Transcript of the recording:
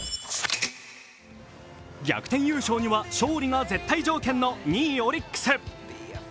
逆転優勝には勝利が絶対条件の２位・オリックス。